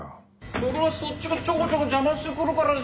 それはそっちがちょこちょこ邪魔してくるからでしょ？